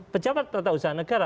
pejabat perusahaan negara